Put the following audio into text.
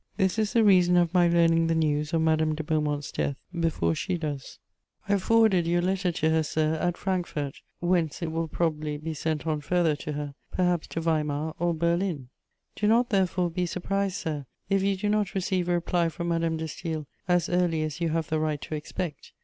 This is the reason of my learning the news of Madame de Beaumont's death before she does. I forwarded your letter to her, sir, at Frankfort, whence it will probably be sent on farther to her, perhaps to Weimar or Berlin. Do not, therefore, be surprised, sir, if you do not receive a reply from Madame de Staël as early as you have the right to expect.